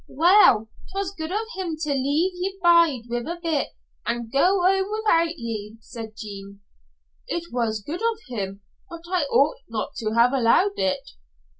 "Weel, 'twas good of him to leave ye bide with us a bit, an' go home without ye," said Jean. "It was good of him, but I ought not to have allowed it."